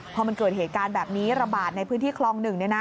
พอมันเกิดเหตุการณ์แบบนี้ระบาดในพื้นที่คลอง๑